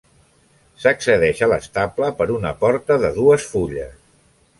S'accedeix a l'estable per una porta de dues fulles.